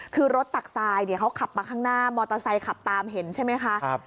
คือรถตักทรายเนี่ยเขาขับมาข้างหน้ามอเตอร์ไซค์ขับตามเห็นใช่ไหมคะ